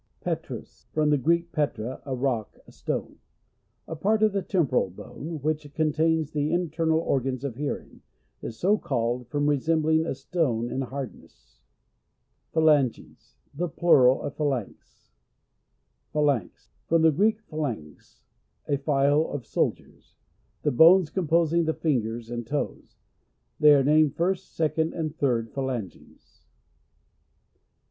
Petrous. — From the Greek, petra, a rock, a stone. A part of the tem poral bone, which contains the in ternal organs of hearing, is so called from resembling a stone in hardness. Phalanges — The plural of Phalanx. Phalanx. — From the Greek, phalagx, a file of soldiers. The bones com posing the fingers and toes. They are named first, second, and third phalanges.